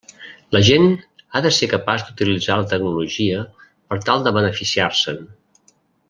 La gent ha de ser capaç d'utilitzar la tecnologia per tal de beneficiar-se'n.